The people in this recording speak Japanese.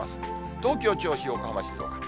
東京、銚子、横浜、静岡。